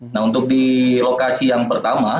nah untuk di lokasi yang pertama